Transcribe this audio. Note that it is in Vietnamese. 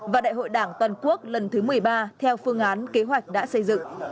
và đại hội đảng toàn quốc lần thứ một mươi ba theo phương án kế hoạch đã xây dựng